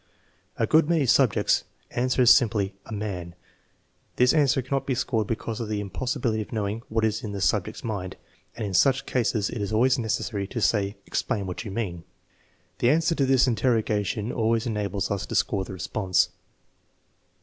A good many subjects answer simply, "A man." This answer cannot be scored because of the impossibility of knowing what is in the subject's mind, and in such cases it is always necessary to say: "Explain what you mean" The answer to this interrogation always enables us to score the response.